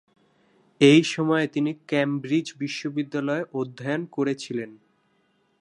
ঐ সময়ে তিনি কেমব্রিজ বিশ্ববিদ্যালয়ে অধ্যয়ন করেছিলেন।